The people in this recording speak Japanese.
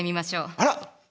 あら！